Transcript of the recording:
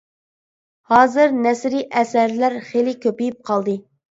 ھازىر نەسرىي ئەسەرلەر خېلى كۆپىيىپ قالدى.